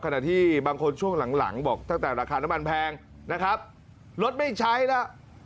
ขณะที่บางคนช่วงหลังบอกตั้งแต่ราคาน้ำมันแพงนะครับรถไม่ใช้แล้ว